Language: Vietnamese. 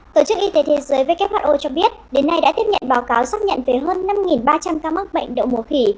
tổ chức y tế thế giới who cho biết đến nay đã tiếp nhận báo cáo xác nhận về hơn năm ba trăm linh ca mắc bệnh đậu mùa khỉ